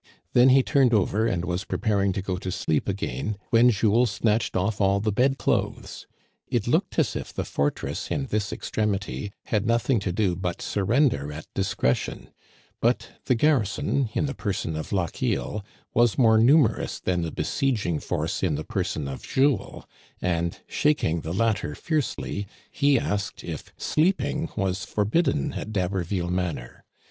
Then he turned over and was preparing to go to sleep again, when Jules snatched off all the bed clothes. It looked as if the fortress, in this extremity, had nothing to do but surrender at discretion ; but the garrison, in the person of Lochiel, was more numerous than the be sieging force in the person of Jules, and, shaking the latter fiercely, he asked if sleeping was forbidden at D'Haberville Manor.